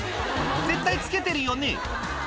絶対つけてるよね？」